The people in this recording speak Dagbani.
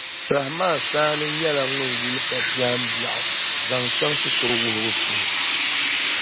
Rahman Saani nyɛla ŋun yuli ka biɛhim' bɛɣu zaŋ chaŋ shikuru wuhibu polo.